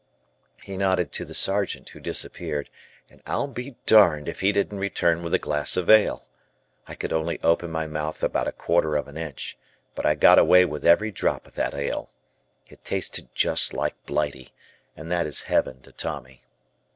He nodded to the Sergeant who disappeared, and I'll be darned if he didn't return with a glass of ale. I could only open my mouth about a quarter of an inch, but I got away with every drop of that ale. It tasted just like Blighty, and that is heaven to Tommy.